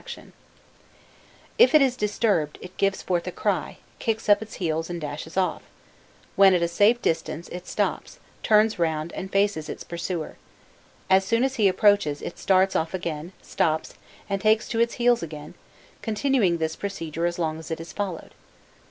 Rawlinson in the ruins of Babylon, and now in the British Museum If it is disturbed, it gives forth a cry, kicks up its heels, and dashes off: when at a safe distance, it stops, turns round, and faces its pursuer: as soon as he approaches, it starts off again, stops, and takes to its heels again, continuing this procedure as long as it is followed.